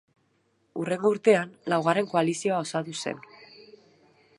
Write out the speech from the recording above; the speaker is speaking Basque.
Hurrengo urtean, Laugarren Koalizioa osatu zen.